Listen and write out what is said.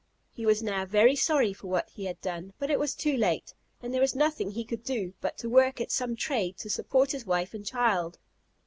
He was now very sorry for what he had done, but it was too late; and there was nothing he could do, but to work at some trade to support his wife and child.